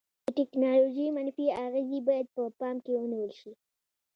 د ټیکنالوژي منفي اغیزې باید په پام کې ونیول شي.